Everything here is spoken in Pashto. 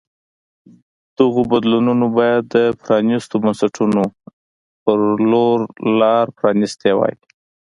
دغو بدلونونو باید د پرانیستو بنسټونو په لور لار پرانیستې وای.